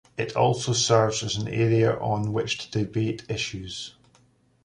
It also serves as an area on which to debate issues.